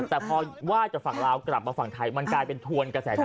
แต่พอไหว้จากฝั่งลาวกลับมาฝั่งไทยมันกลายเป็นทวนกระแสน้ำ